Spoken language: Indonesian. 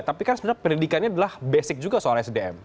tapi kan sebenarnya pendidikannya adalah basic juga soal sdm